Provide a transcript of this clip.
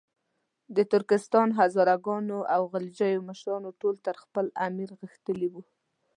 د ترکستان، هزاره ګانو او غلجیو مشران ټول تر خپل امیر غښتلي وو.